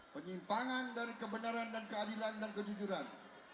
penyimpangan dari kebenaran dan keadilan dan kejujuran